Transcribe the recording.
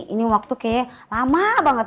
ini waktu kayaknya lama banget